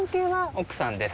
奥さんです。